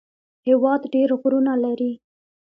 هېواد ډېر غرونه لري